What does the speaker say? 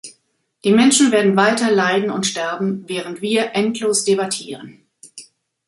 Die Menschen werden weiter leiden und sterben, während wir endlos debattieren.